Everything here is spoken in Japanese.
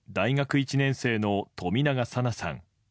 １年生の冨永紗菜さん。